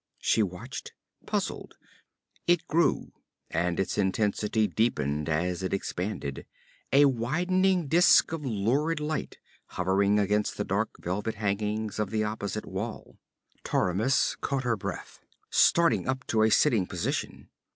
She watched, puzzled. It grew and its intensity deepened as it expanded, a widening disk of lurid light hovering against the dark velvet hangings of the opposite wall. Taramis caught her breath, starting up to a sitting position.